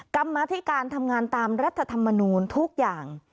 กรรมธิการทำงานตามรัฐธรรมนูลทุกอย่าง